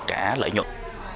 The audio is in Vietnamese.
giảm giá lợi nhuận